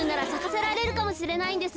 せられるかもしれないんです。